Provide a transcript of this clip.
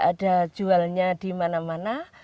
ada jualnya di mana mana